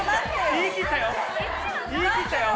言い切ったよ。